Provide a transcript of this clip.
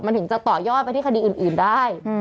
มันถึงจะต่อยอดไปที่คดีอื่นได้